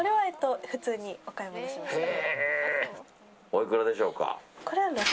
おいくらでしょうか？